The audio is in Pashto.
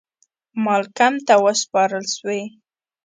مالکم ته وسپارل سوې.